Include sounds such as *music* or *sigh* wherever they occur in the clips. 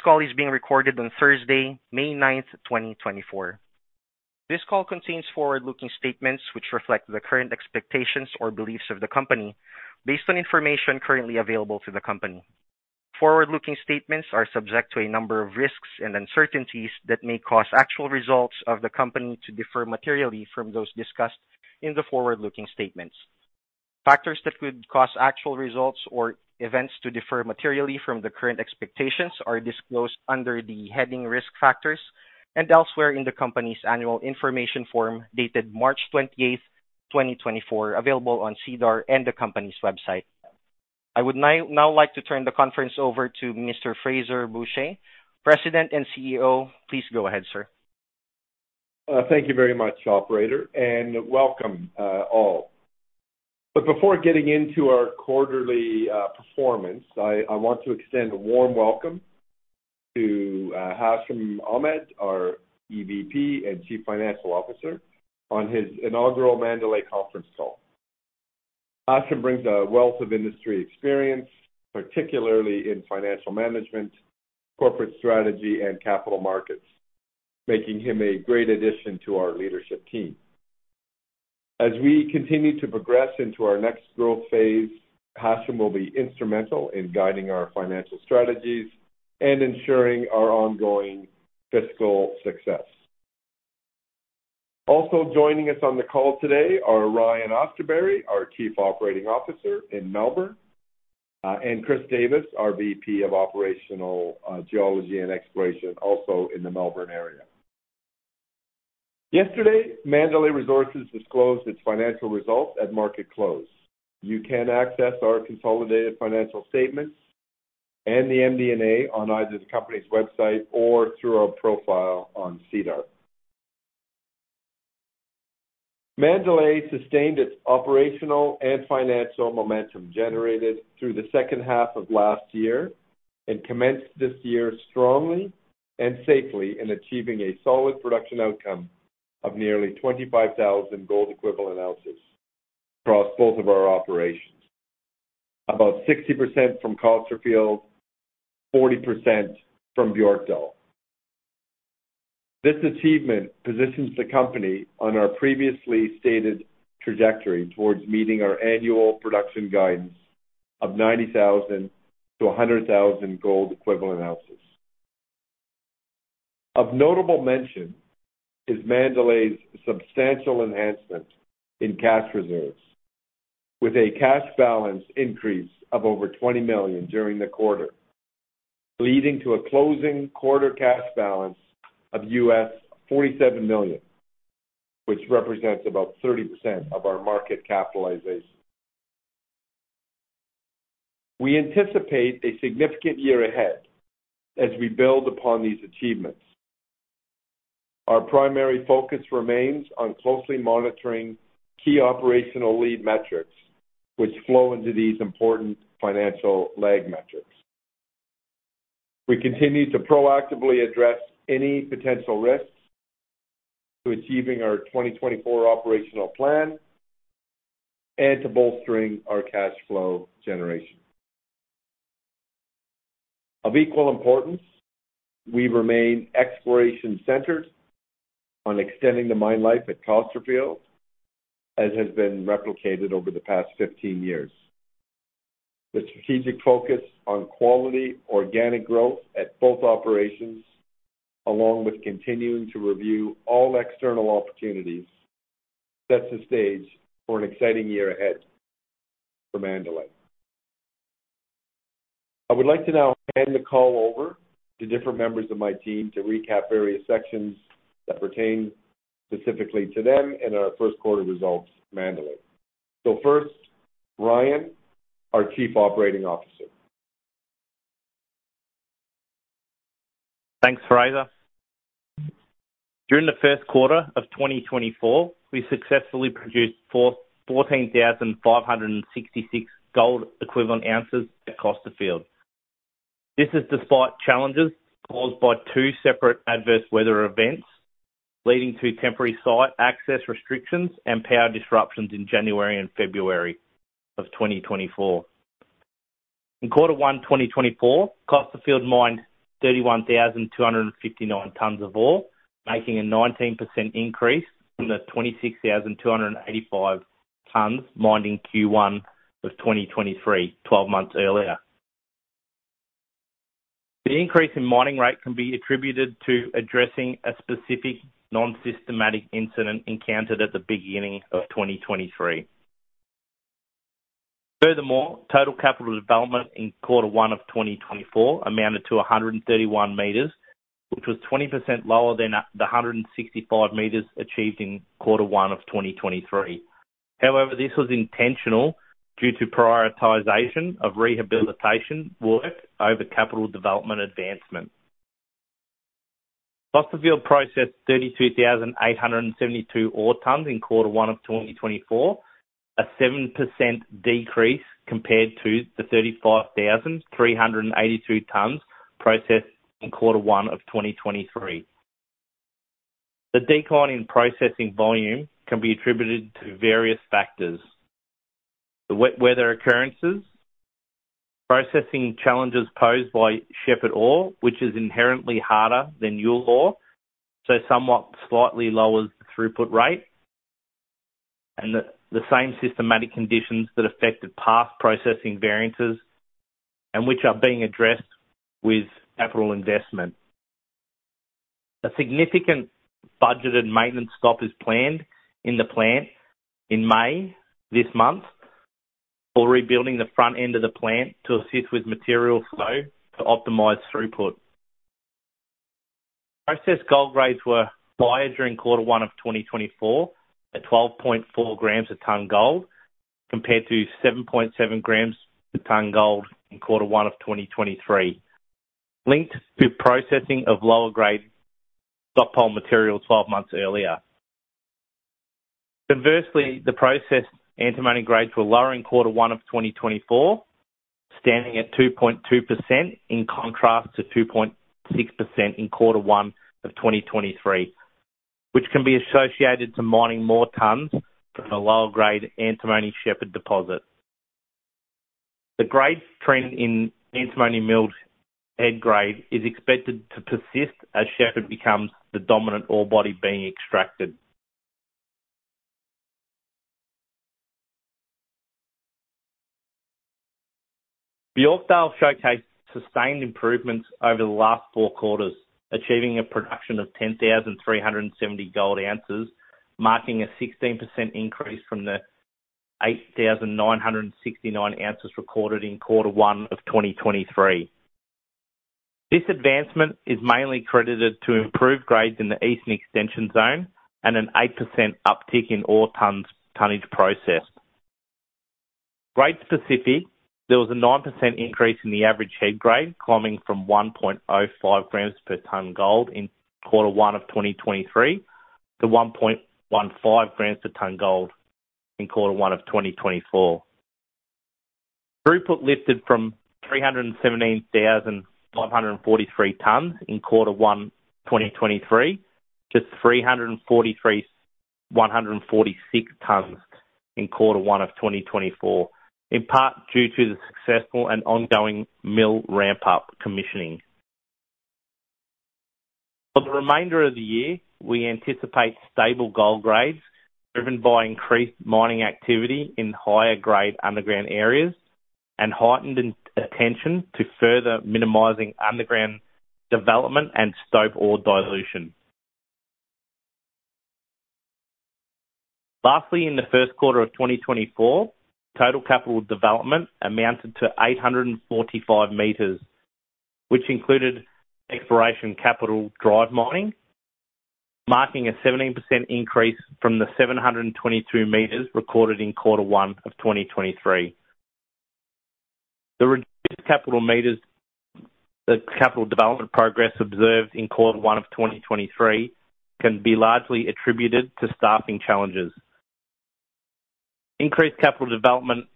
This call is being recorded on Thursday, May 9th, 2024. This call contains forward-looking statements which reflect the current expectations or beliefs of the company based on information currently available to the company. Forward-looking statements are subject to a number of risks and uncertainties that may cause actual results of the company to differ materially from those discussed in the forward-looking statements. Factors that could cause actual results or events to differ materially from the current expectations are disclosed under the heading Risk Factors and elsewhere in the company's Annual Information Form dated March 28th, 2024, available on SEDAR and the company's website. I would now like to turn the conference over to Mr. Frazer Bourchier, President and CEO. Please go ahead, sir. Thank you very much, Operator, and welcome all. Before getting into our quarterly performance, I want to extend a warm welcome to Hashim Ahmed, our EVP and Chief Financial Officer, on his inaugural Mandalay conference call. Hashim brings a wealth of industry experience, particularly in financial management, corporate strategy, and capital markets, making him a great addition to our leadership team. As we continue to progress into our next growth phase, Hashim will be instrumental in guiding our financial strategies and ensuring our ongoing fiscal success. Also joining us on the call today are Ryan Austerberry, our Chief Operating Officer in Melbourne, and Chris Davis, our VP of Operational Geology and Exploration, also in the Melbourne area. Yesterday, Mandalay Resources disclosed its financial results at market close. You can access our consolidated financial statements and the MD&A on either the company's website or through our profile on SEDAR. Mandalay sustained its operational and financial momentum generated through the second half of last year and commenced this year strongly and safely in achieving a solid production outcome of nearly 25,000 gold equivalent ounces across both of our operations, about 60% from Costerfield, 40% from Björkdal. This achievement positions the company on our previously stated trajectory towards meeting our annual production guidance of 90,000-100,000 gold equivalent ounces. Of notable mention is Mandalay's substantial enhancement in cash reserves, with a cash balance increase of over $20 million during the quarter, leading to a closing quarter cash balance of $47 million, which represents about 30% of our market capitalization. We anticipate a significant year ahead as we build upon these achievements. Our primary focus remains on closely monitoring key operational lead metrics which flow into these important financial lag metrics. We continue to proactively address any potential risks to achieving our 2024 operational plan and to bolstering our cash flow generation. Of equal importance, we remain exploration-centered on extending the mine life at Costerfield as has been replicated over the past 15 years. The strategic focus on quality organic growth at both operations, along with continuing to review all external opportunities, sets the stage for an exciting year ahead for Mandalay. I would like to now hand the call over to different members of my team to recap various sections that pertain specifically to them and our first quarter results Mandalay. So first, Ryan, our Chief Operating Officer. Thanks, Frazer. During the first quarter of 2024, we successfully produced 14,566 gold equivalent ounces at Costerfield. This is despite challenges caused by two separate adverse weather events leading to temporary site access restrictions and power disruptions in January and February of 2024. In quarter 1, 2024, Costerfield mined 31,259 tons of ore, making a 19% increase from the 26,285 tons mined in Q1 of 2023, 12 months earlier. The increase in mining rate can be attributed to addressing a specific nonsystematic incident encountered at the beginning of 2023. Furthermore, total capital development in quarter 1 of 2024 amounted to 131 meters, which was 20% lower than the 165 meters achieved in quarter 1 of 2023. However, this was intentional due to prioritization of rehabilitation work over capital development advancement. Costerfield processed 32,872 ore tons in quarter 1 of 2024, a 7% decrease compared to the 35,382 tons processed in quarter 1 of 2023. The decline in processing volume can be attributed to various factors: the wet weather occurrences, processing challenges posed by Shepherd ore, which is inherently harder than Youle ore, so somewhat slightly lowers the throughput rate, and the same systematic conditions that affected past processing variances and which are being addressed with capital investment. A significant budgeted maintenance stop is planned in the plant in May this month for rebuilding the front end of the plant to assist with material flow to optimize throughput. Processed gold grades were higher during quarter 1 of 2024 at 12.4 grams a ton gold compared to 7.7 grams a ton gold in quarter 1 of 2023, linked to processing of lower-grade stockpile material 12 months earlier. Conversely, the processed antimony grades were lower in quarter 1 of 2024, standing at 2.2% in contrast to 2.6% in quarter 1 of 2023, which can be associated to mining more tons from a lower-grade antimony Shepherd deposit. The grade trend in antimony milled head grade is expected to persist as Shepherd becomes the dominant ore body being extracted. Björkdal showcased sustained improvements over the last four quarters, achieving a production of 10,370 gold ounces, marking a 16% increase from the 8,969 ounces recorded in quarter 1 of 2023. This advancement is mainly credited to improved grades in the Eastern Extension zone and an 8% uptick in ore tonnage processed. Grade specific, there was a 9% increase in the average head grade, climbing from 1.05 grams per ton gold in quarter 1 of 2023 to 1.15 grams per ton gold in quarter 1 of 2024. Throughput lifted from 317,543 tons in quarter 1, 2023 to 343,146 tons in quarter 1 of 2024, in part due to the successful and ongoing mill ramp-up commissioning. For the remainder of the year, we anticipate stable gold grades driven by increased mining activity in higher-grade underground areas and heightened attention to further minimizing underground development and stope ore dilution. Lastly, in the first quarter of 2024, total capital development amounted to 845 meters, which included exploration capital drive mining, marking a 17% increase from the 722 meters recorded in quarter 1 of 2023. The reduced capital development progress observed in quarter 1 of 2023 can be largely attributed to staffing challenges. Increased capital development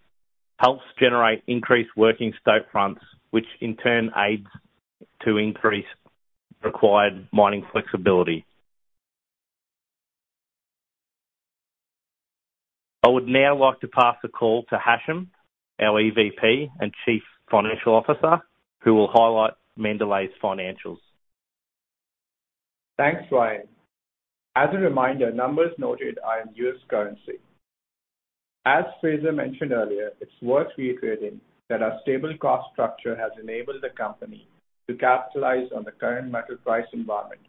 helps generate increased working stope fronts, which in turn aids to increase required mining flexibility. I would now like to pass the call to Hashim, our EVP and Chief Financial Officer, who will highlight Mandalay's financials. Thanks, Ryan. As a reminder, numbers noted are in U.S. currency. As Frazer mentioned earlier, it's worth reiterating that our stable cost structure has enabled the company to capitalize on the current metal price environment,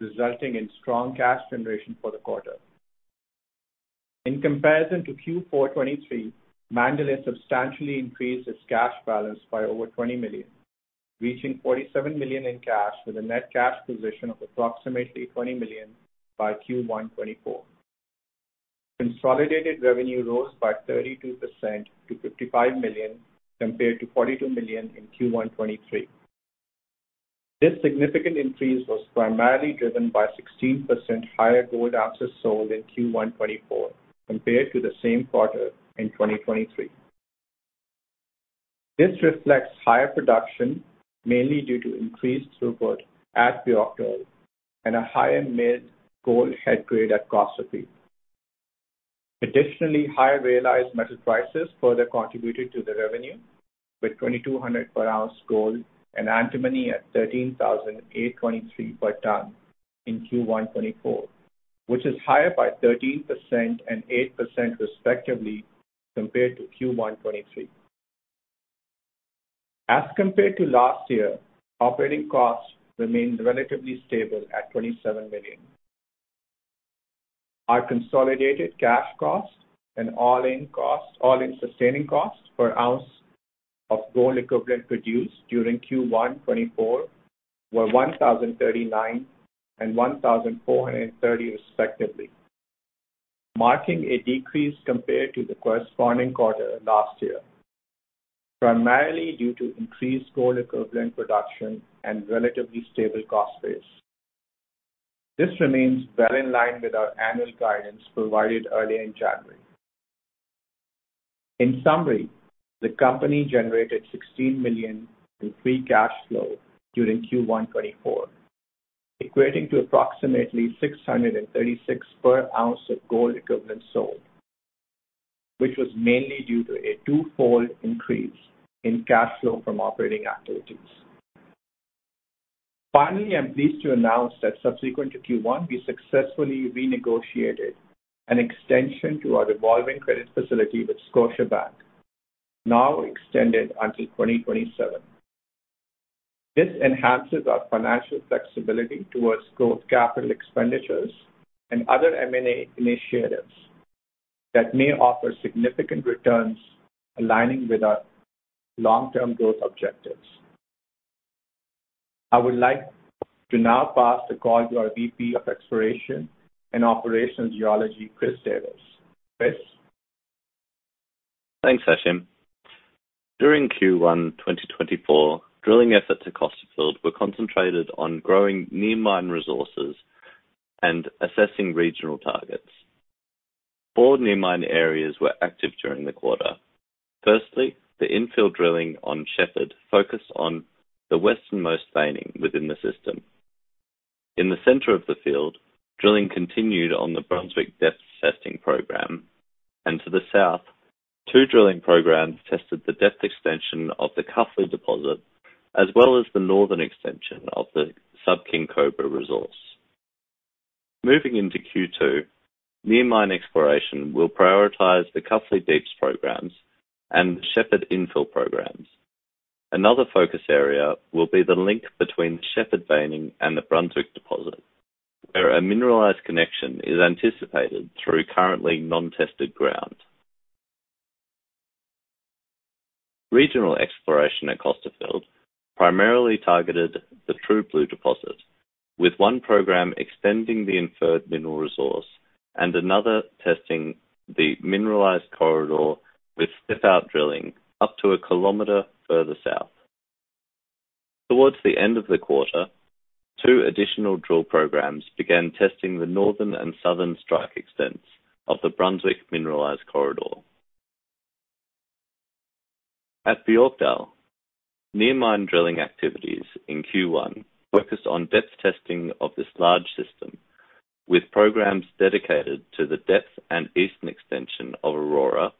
resulting in strong cash generation for the quarter. In comparison to Q4 2023, Mandalay substantially increased its cash balance by over $20 million, reaching $47 million in cash with a net cash position of approximately $20 million by Q1 2024. Consolidated revenue rose by 32% to $55 million compared to $42 million in Q1 2023. This significant increase was primarily driven by 16% higher gold ounces sold in Q1 2024 compared to the same quarter in 2023. This reflects higher production, mainly due to increased throughput at Björkdal and a higher milled gold head grade at Costerfield. Additionally, higher realized metal prices further contributed to the revenue, with $2,200 per ounce gold and antimony at $13,823 per ton in Q1 2024, which is higher by 13% and 8% respectively compared to Q1 2023. As compared to last year, operating costs remained relatively stable at $27 million. Our consolidated cash cost and all-in sustaining cost per ounce of gold equivalent produced during Q1 2024 were $1,039 and $1,430 respectively, marking a decrease compared to the corresponding quarter last year, primarily due to increased gold equivalent production and relatively stable cost base. This remains well in line with our annual guidance provided earlier in January. In summary, the company generated $16 million in free cash flow during Q1 2024, equating to approximately $636 per ounce of gold equivalent sold, which was mainly due to a twofold increase in cash flow from operating activities. Finally, I'm pleased to announce that subsequent to Q1, we successfully renegotiated an extension to our revolving credit facility with Scotiabank, now extended until 2027. This enhances our financial flexibility towards growth capital expenditures and other M&A initiatives that may offer significant returns aligning with our long-term growth objectives. I would like to now pass the call to our VP of Exploration and Operational Geology, Chris Davis. Chris? Thanks, Hashim. During Q1 2024, drilling efforts at Costerfield were concentrated on growing near-mine resources and assessing regional targets. Four near-mine areas were active during the quarter. Firstly, the infield drilling on Shepherd focused on the westernmost veining within the system. In the center of the field, drilling continued on the Brunswick depth testing program. And to the south, two drilling programs tested the depth extension of the Cuffley deposit as well as the northern extension of the Sub-King Cobra resource. Moving into Q2, near-mine exploration will prioritize the Cuffley Deeps programs and the Shepherd infield programs. Another focus area will be the link between the Shepherd veining and the Brunswick deposit, where a mineralized connection is anticipated through currently non-tested ground. Regional exploration at Costerfield primarily targeted the True Blue deposit, with one program extending the inferred mineral resource and another testing the mineralized corridor with step-out drilling up to a kilometer further south. Towards the end of the quarter, two additional drill programs began testing the northern and southern strike extents of the Brunswick mineralized corridor. At Björkdal, near-mine drilling activities in Q1 focused on depth testing of this large system, with programs dedicated to the depth and eastern extension of Aurora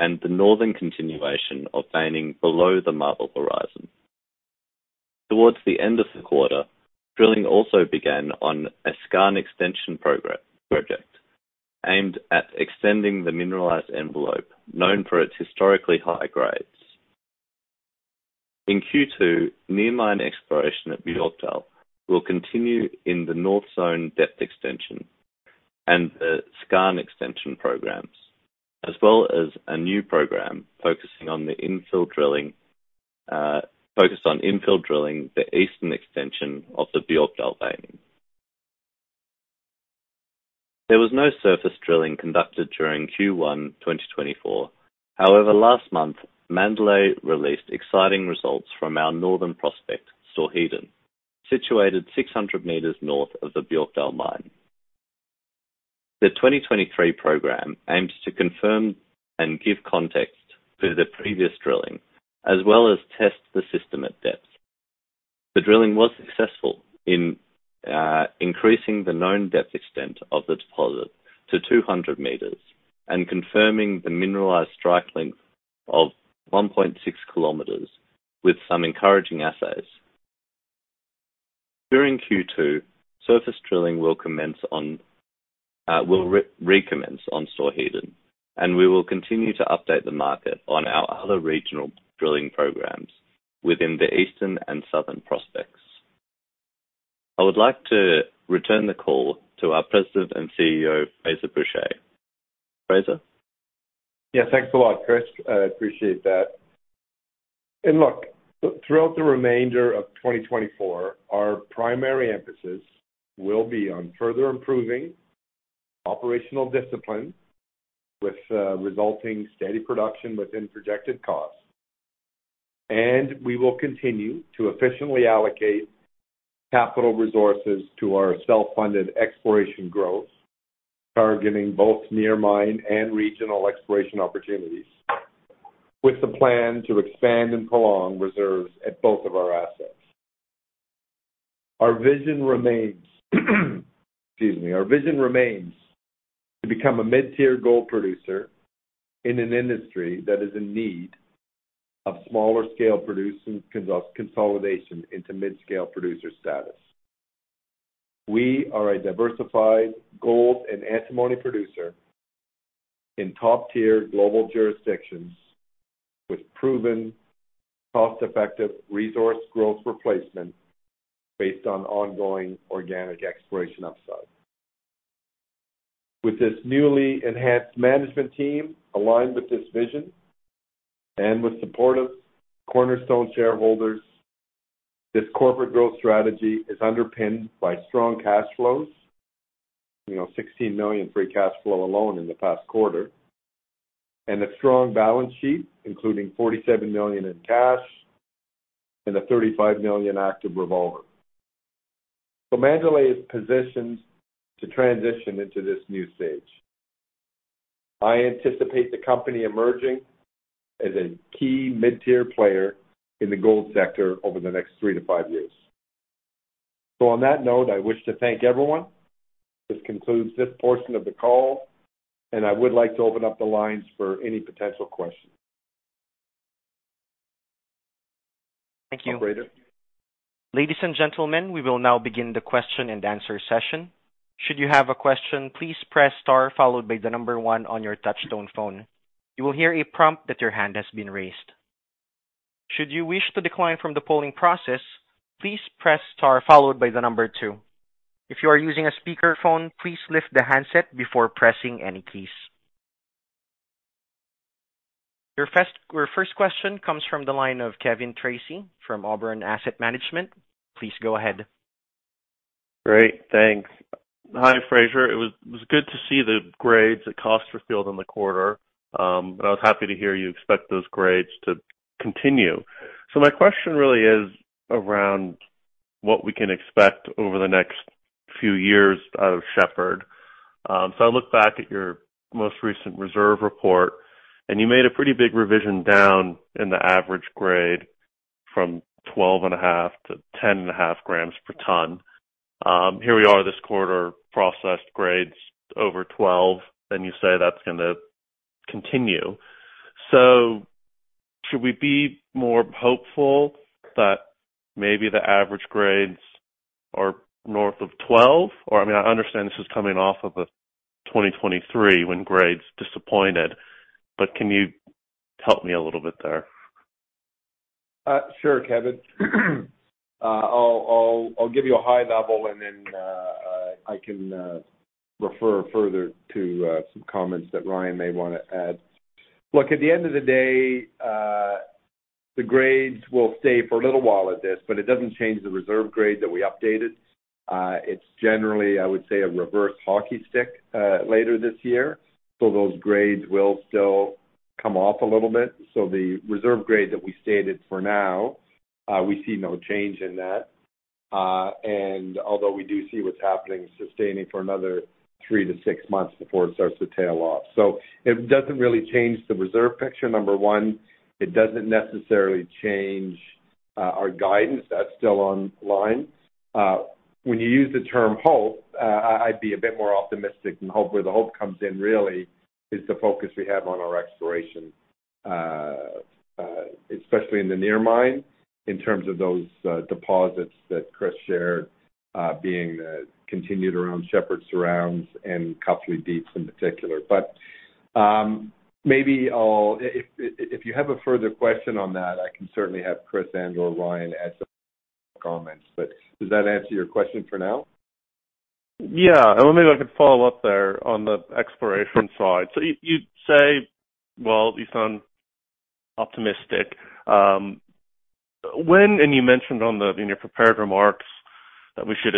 and the northern continuation of veining below the marble horizon. Towards the end of the quarter, drilling also began on a Skarn extension project aimed at extending the mineralized envelope known for its historically high grades. In Q2, near-mine exploration at Björkdal will continue in the North Zone depth extension and the Skarn extension programs, as well as a new program focused on infield drilling the eastern extension of the Björkdal veining. There was no surface drilling conducted during Q1 2024. However, last month, Mandalay released exciting results from our northern prospect, Storheden, situated 600 meters north of the Björkdal mine. The 2023 program aimed to confirm and give context to the previous drilling, as well as test the system at depth. The drilling was successful in increasing the known depth extent of the deposit to 200 meters and confirming the mineralized strike length of 1.6 kilometers, with some encouraging assays. During Q2, surface drilling will recommence on Storheden, and we will continue to update the market on our other regional drilling programs within the eastern and southern prospects. I would like to return the call to our President and CEO, Frazer Bourchier. Frazer? Yeah, thanks a lot, Chris. I appreciate that. And look, throughout the remainder of 2024, our primary emphasis will be on further improving operational discipline with resulting steady production within projected costs. And we will continue to efficiently allocate capital resources to our self-funded exploration growth, targeting both near-mine and regional exploration opportunities, with the plan to expand and prolong reserves at both of our assets. Our vision remains excuse me, our vision remains to become a mid-tier gold producer in an industry that is in need of smaller-scale consolidation into mid-scale producer status. We are a diversified gold and antimony producer in top-tier global jurisdictions, with proven cost-effective resource growth replacement based on ongoing organic exploration upside. With this newly enhanced management team aligned with this vision and with support of cornerstone shareholders, this corporate growth strategy is underpinned by strong cash flows, $16 million free cash flow alone in the past quarter, and a strong balance sheet, including $47 million in cash and a $35 million active revolver. So Mandalay is positioned to transition into this new stage. I anticipate the company emerging as a key mid-tier player in the gold sector over the next three-five years. So on that note, I wish to thank everyone. This concludes this portion of the call, and I would like to open up the lines for any potential questions. Thank you. Operator? Ladies and gentlemen, we will now begin the question-and-answer session. Should you have a question, please press star followed by the number one on your touch-tone phone. You will hear a prompt that your hand has been raised. Should you wish to decline from the polling process, please press star followed by the number two. If you are using a speakerphone, please lift the handset before pressing any keys. Your first question comes from the line of Kevin Tracey from Oberon Asset Management. Please go ahead. Great. Thanks. Hi, Frazer. It was good to see the grades at Costerfield in the quarter, and I was happy to hear you expect those grades to continue. So my question really is around what we can expect over the next few years out of Shepherd. So I looked back at your most recent reserve report, and you made a pretty big revision down in the average grade from 12.5 to 10.5 grams per ton. Here we are this quarter, processed grades over 12, and you say that's going to continue. So should we be more hopeful that maybe the average grades are north of 12? I mean, I understand this is coming off of 2023 when grades disappointed, but can you help me a little bit there? Sure, Kevin. I'll give you a high level, and then I can refer further to some comments that Ryan may want to add. Look, at the end of the day, the grades will stay for a little while at this, but it doesn't change the reserve grade that we updated. It's generally, I would say, a reverse hockey stick later this year. So those grades will still come off a little bit. So the reserve grade that we stated for now, we see no change in that. And although we do see what's happening sustaining for another three to six months before it starts to tail off. So it doesn't really change the reserve picture, number one. It doesn't necessarily change our guidance. That's still online. When you use the term hope, I'd be a bit more optimistic, and hope where the hope comes in, really, is the focus we have on our exploration, especially in the near mine, in terms of those deposits that Chris shared being continued around Shepherd surrounds and Cuffley Deeps in particular. But maybe if you have a further question on that, I can certainly have Chris and/or Ryan add some comments. But does that answer your question for now? Yeah. Let me look at follow-up there on the exploration side. So you say, well, at least I'm optimistic. When, and you mentioned in your prepared remarks that we should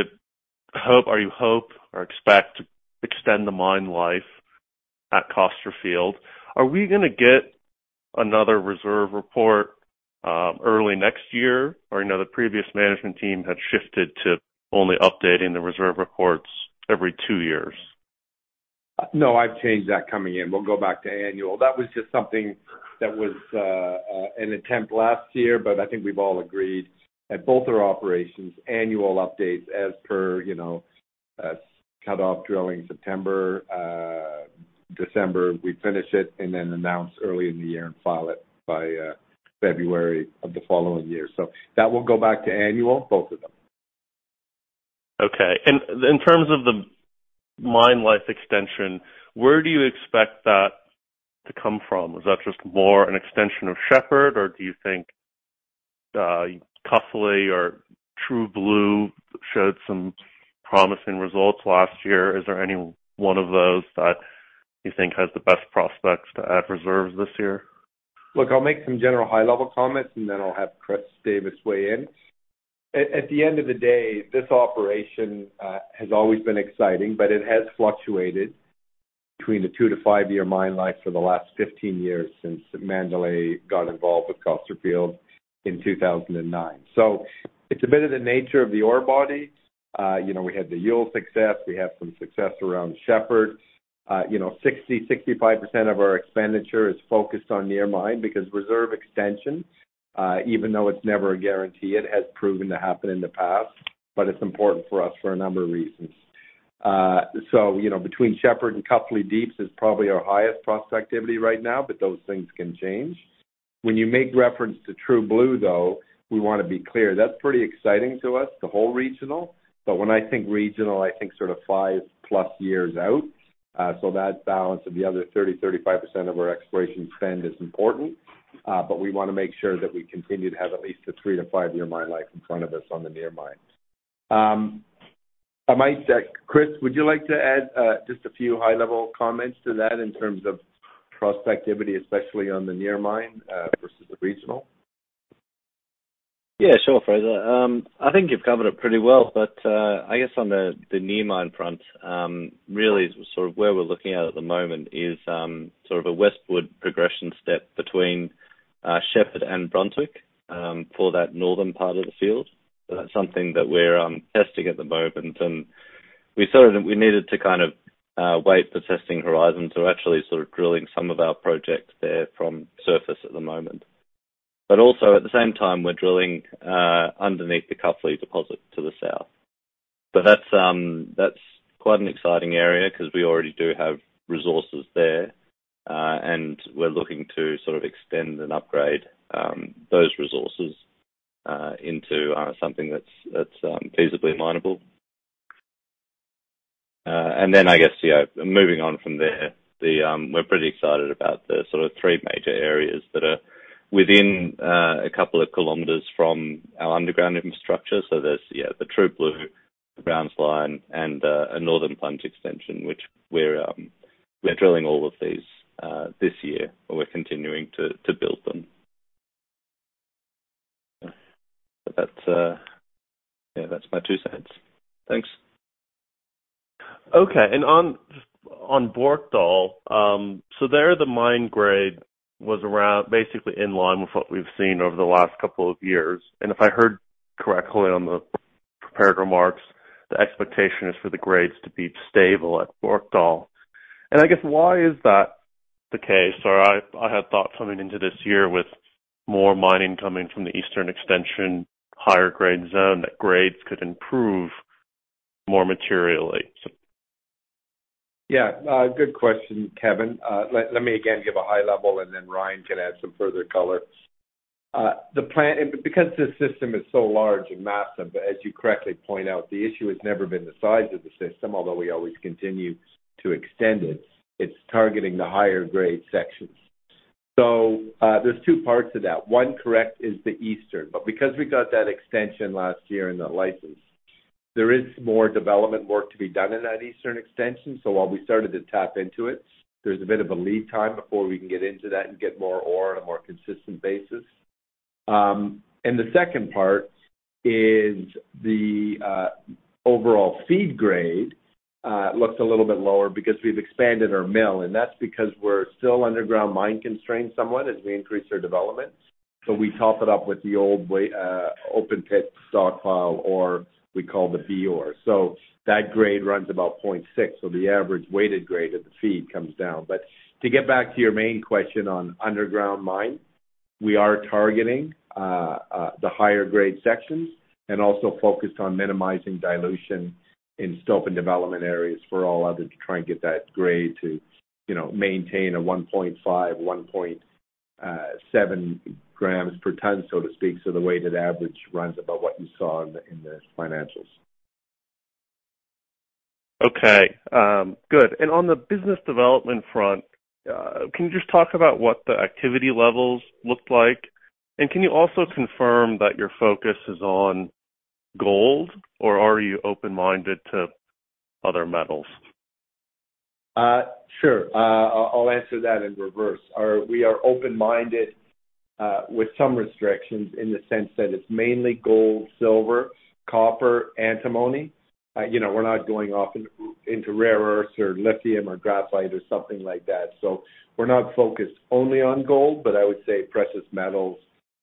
hope or you hope or expect to extend the mine life at Costerfield. Are we going to get another reserve report early next year, or the previous management team had shifted to only updating the reserve reports every two years? No, I've changed that coming in. We'll go back to annual. That was just something that was an attempt last year, but I think we've all agreed at both our operations, annual updates as per cut-off drilling, September. December, we finish it and then announce early in the year and file it by February of the following year. So that will go back to annual, both of them. Okay. In terms of the mine life extension, where do you expect that to come from? Is that just more an extension of Shepherd, or do you think Cuffley or True Blue showed some promising results last year? Is there any one of those that you think has the best prospects to add reserves this year? Look, I'll make some general high-level comments, and then I'll have Chris Davis weigh in. At the end of the day, this operation has always been exciting, but it has fluctuated between the two-five year mine life for the last 15 years since Mandalay got involved with Costerfield in 2009. So it's a bit of the nature of the ore body. We had the Youle success. We have some success around Shepherd. 60%-65% of our expenditure is focused on near-mine because reserve extension, even though it's never a guarantee, it has proven to happen in the past, but it's important for us for a number of reasons. So between Shepherd and Cuffley Deeps is probably our highest prospectivity right now, but those things can change. When you make reference to True Blue, though, we want to be clear. That's pretty exciting to us, the whole regional. But when I think regional, I think sort of five+ years out. So that balance of the other 30%-35% of our exploration spend is important, but we want to make sure that we continue to have at least a three-five year mine life in front of us on the near mine. Chris, would you like to add just a few high-level comments to that in terms of prospectivity, especially on the near mine versus the regional? Yeah, sure, Frazer. I think you've covered it pretty well. But I guess on the near-mine front, really, sort of where we're looking at at the moment is sort of a westward progression step between Shepherd and Brunswick for that northern part of the field. So that's something that we're testing at the moment. And we needed to kind of wait for testing horizons or actually sort of drilling some of our projects there from surface at the moment. But also, at the same time, we're drilling underneath the Cuffley deposit to the south. But that's quite an exciting area because we already do have resources there, and we're looking to sort of extend and upgrade those resources into something that's feasibly mineable. I guess, yeah, moving on from there, we're pretty excited about the sort of three major areas that are within a couple of kilometers from our underground infrastructure. There's, yeah, the True Blue, the grounds line, and a northern plunge extension, which we're drilling all of these this year, or we're continuing to build them. Yeah, that's my two cents. Thanks. Okay. On Björkdal, so there the mine grade was basically in line with what we've seen over the last couple of years. If I heard correctly on the prepared remarks, the expectation is for the grades to be stable at Björkdal. I guess why is that the case? Or I had thoughts coming into this year with more mining coming from the eastern extension, higher-grade zone, that grades could improve more materially. Yeah. Good question, Kevin. Let me again give a high level, and then Ryan can add some further color. Because this system is so large and massive, as you correctly point out, the issue has never been the size of the system, although we always continue to extend it. It's targeting the higher-grade sections. So there's two parts of that. One, correct, is the eastern. But because we got that extension last year and that license, there is more development work to be done in that eastern extension. So while we started to tap into it, there's a bit of a lead time before we can get into that and get more ore on a more consistent basis. And the second part is the overall feed grade looks a little bit lower because we've expanded our mill. That's because we're still underground mine constrained somewhat as we increase our development. We top it up with the old open-pit stockpile ore we call the B ore. That grade runs about 0.6. The average weighted grade of the feed comes down. To get back to your main question on underground mine, we are targeting the higher-grade sections and also focused on minimizing dilution in stoping development areas and all other to try and get that grade to maintain a 1.5-1.7 grams per ton, so to speak. The weighted average runs about what you saw in the financials. Okay. Good. On the business development front, can you just talk about what the activity levels looked like? And can you also confirm that your focus is on gold, or are you open-minded to other metals? Sure. I'll answer that in reverse. We are open-minded with some restrictions in the sense that it's mainly gold, silver, copper, antimony. We're not going off into rare earths or lithium or graphite or something like that. So we're not focused only on gold, but I would say precious metals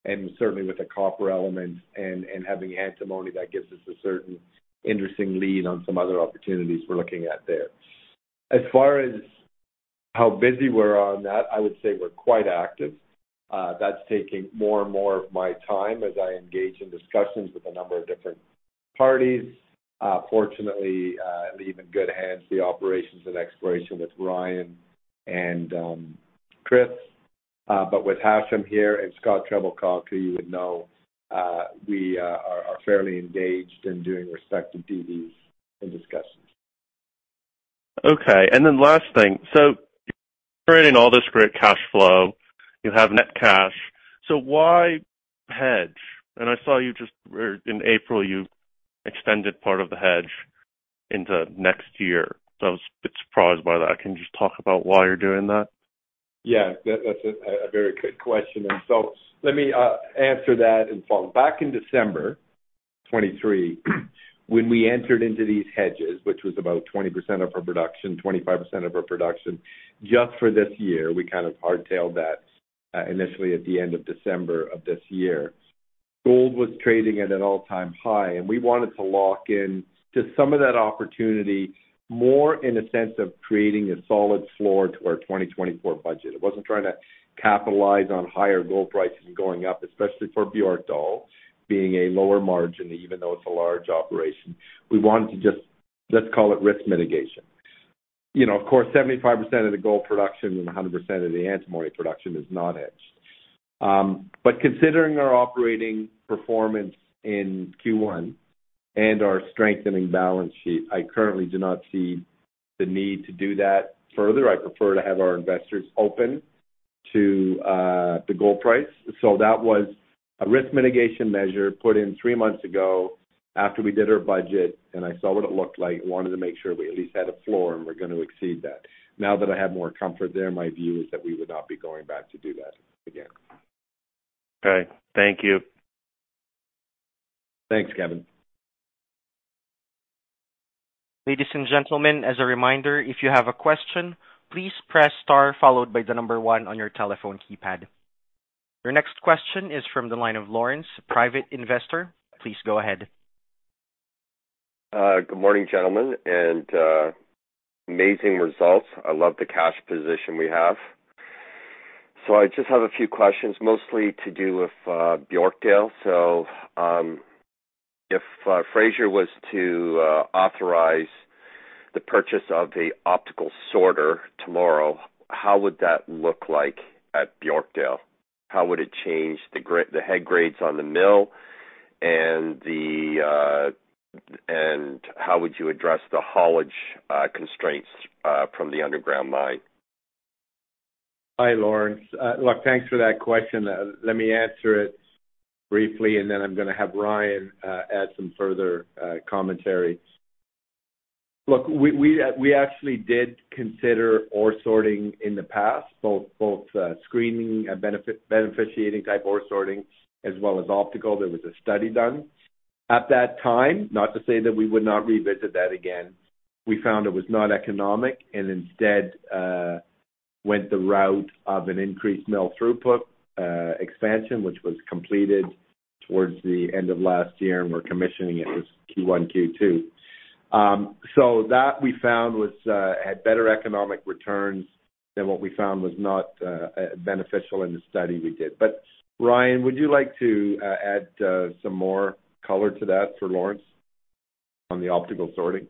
and certainly with a copper element and having antimony, that gives us a certain interesting lead on some other opportunities we're looking at there. As far as how busy we're on that, I would say we're quite active. That's taking more and more of my time as I engage in discussions with a number of different parties. Fortunately, it leaves in good hands, the operations and exploration, with Ryan and Chris. But with Hashim here and Scott Trebilcock, who you would know, we are fairly engaged in doing respective duties and discussions. Okay. Last thing. You're creating all this great cash flow. You have net cash. Why hedge? I saw you just in April, you extended part of the hedge into next year. I was a bit surprised by that. Can you just talk about why you're doing that? Yeah. That's a very good question. So let me answer that and follow. Back in December 2023, when we entered into these hedges, which was about 20% of our production, 25% of our production, just for this year, we kind of hard-tailed that initially at the end of December of this year. Gold was trading at an all-time high, and we wanted to lock into some of that opportunity more in a sense of creating a solid floor to our 2024 budget. It wasn't trying to capitalize on higher gold prices and going up, especially for Björkdal, being a lower margin, even though it's a large operation. We wanted to just, let's call it, risk mitigation. Of course, 75% of the gold production and 100% of the antimony production is not hedged. Considering our operating performance in Q1 and our strengthening balance sheet, I currently do not see the need to do that further. I prefer to have our investors open to the gold price. That was a risk mitigation measure put in three months ago after we did our budget, and I saw what it looked like. I wanted to make sure we at least had a floor, and we're going to exceed that. Now that I have more comfort there, my view is that we would not be going back to do that again. Okay. Thank you. Thanks, Kevin. Ladies and gentlemen, as a reminder, if you have a question, please press star followed by the number one on your telephone keypad. Your next question is from the line of Lawrence, private investor. Please go ahead. Good morning, gentlemen, and amazing results. I love the cash position we have. So I just have a few questions, mostly to do with Björkdal. So if Frazer was to authorize the purchase of the optical sorter tomorrow, how would that look like at Björkdal? How would it change the head grades on the mill, and how would you address the haulage constraints from the underground mine? Hi, Lawrence. Look, thanks for that question. Let me answer it briefly, and then I'm going to have Ryan add some further commentary. Look, we actually did consider ore sorting in the past, both screening, beneficiating-type ore sorting, as well as optical. There was a study done. At that time, not to say that we would not revisit that again, we found it was not economic and instead went the route of an increased mill throughput expansion, which was completed towards the end of last year, and we're commissioning it this Q1, Q2. So that we found had better economic returns than what we found was not beneficial in the study we did. But Ryan, would you like to add some more color to that for Lawrence on the optical sorting?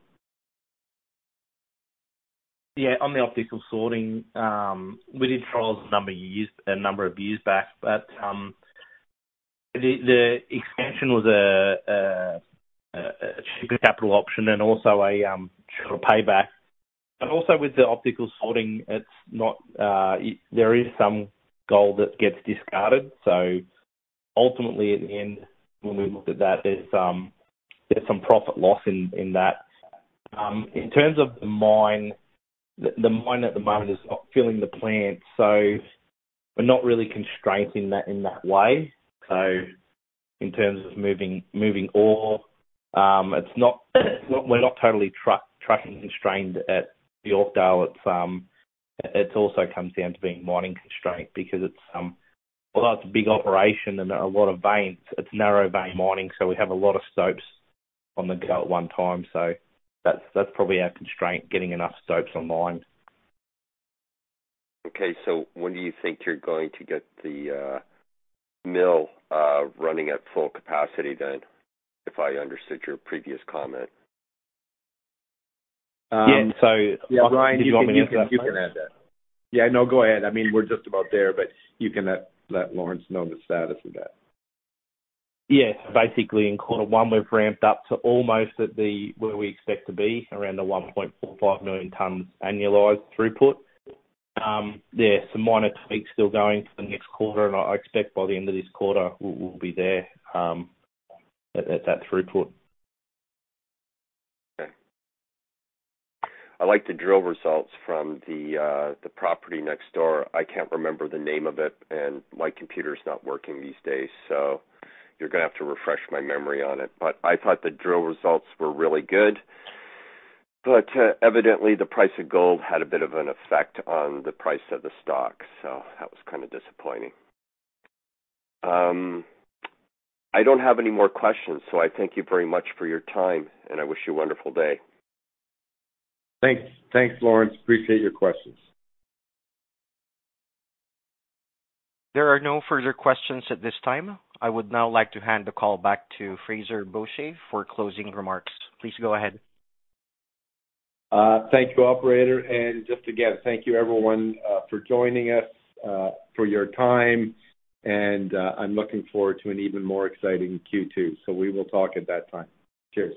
Yeah. On the optical sorting, we did trials a number of years back, but the expansion was a cheaper capital option and also a sort of payback. But also with the optical sorting, there is some gold that gets discarded. So ultimately, at the end, when we look at that, there's some profit loss in that. In terms of the mine, the mine at the moment is not filling the plant, so we're not really constrained in that way. So in terms of moving ore, we're not totally trucking constrained at Björkdal. It also comes down to being mining constraint because although it's a big operation and a lot of veins, it's narrow-vein mining, so we have a lot of stopes on the go at one time. So that's probably our constraint, getting enough stopes online. Okay. When do you think you're going to get the mill running at full capacity then, if I understood your previous comment? Yeah. So *crosstalk* Ryan, you can add that. Yeah. No, go ahead. I mean, we're just about there, but you can let Lawrence know the status of that. Yeah. Basically, in quarter one, we've ramped up to almost where we expect to be, around the 1.45 million tons annualized throughput. Yeah. Some minor tweaks still going for the next quarter, and I expect by the end of this quarter, we'll be there at that throughput. Okay. I like the drill results from the property next door. I can't remember the name of it, and my computer's not working these days, so you're going to have to refresh my memory on it. But I thought the drill results were really good. But evidently, the price of gold had a bit of an effect on the price of the stock, so that was kind of disappointing. I don't have any more questions, so I thank you very much for your time, and I wish you a wonderful day. Thanks. Thanks, Lawrence. Appreciate your questions. There are no further questions at this time. I would now like to hand the call back to Frazer Bourchier for closing remarks. Please go ahead. Thank you, operator. Just again, thank you, everyone, for joining us, for your time. I'm looking forward to an even more exciting Q2. We will talk at that time. Cheers.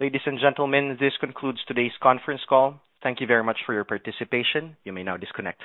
Ladies and gentlemen, this concludes today's conference call. Thank you very much for your participation. You may now disconnect.